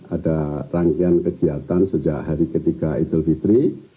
ada rangkaian kegiatan sejak hari ketiga idul fitri